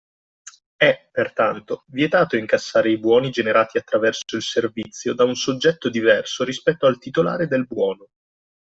È, pertanto, vietato incassare i buoni generati attraverso il servizio da un soggetto diverso rispetto al titolare del buono